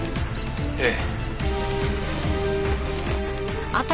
ええ。